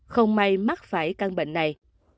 không may mắc phải căn bệnh này